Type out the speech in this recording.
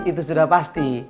itu sudah pasti